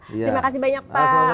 terima kasih banyak pak atas waktunya